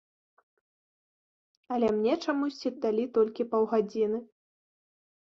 Але мне чамусьці далі толькі паўгадзіны.